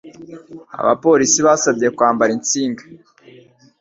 Abapolisi basabye kwambara insinga.